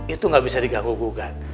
itu gak bisa diganggu ganggu